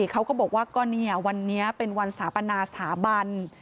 เขาก็บอกว่าก็เนี่ยวันนี้เป็นวันสถาปนาสถาบัน